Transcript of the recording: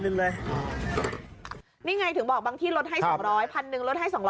นี่ไงถึงบอกมากี่รถให้สองร้อยพันหนึ่งรถให้สอง